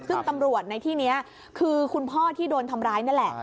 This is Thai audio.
ซึ่งตำรวจในที่นี้คือคุณพ่อที่โดนทำร้ายนั่นแหละ